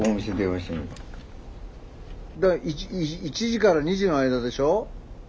いい１時から２時の間でしょ。